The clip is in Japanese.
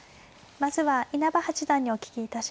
まずは稲葉八段にお聞きいたします。